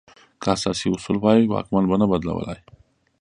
که اساسي اصول وای، واکمن به نه بدلولای.